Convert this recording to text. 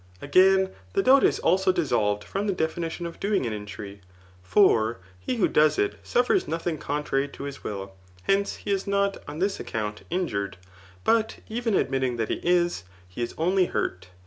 AgaiB, the doubt is also dissolved from the definition of doing an injury ; for he who does it, suffers nothing contrary to his will. Hence he is not, on this account, injured ; but even admitting that he is, he is only hurt.